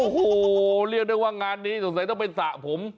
โหเรียกได้ว่างานนี้ศักดิ์ต้องเป็นสระผม